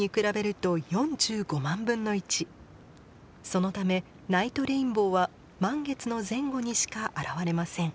そのためナイトレインボーは満月の前後にしか現れません。